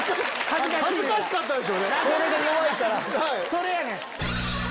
それやねん！